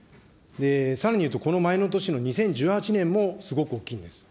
さらに言うと、この前の年の２０１８年もすごく大きいんです。